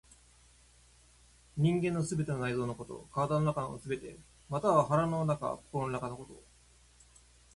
人間の全ての内臓のこと、体の中すべて、または腹の中、心の中のこと。